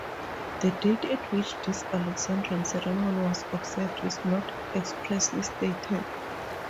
The date at which this Alexandrian ceremony was observed is not expressly stated.